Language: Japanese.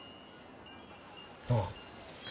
ああ。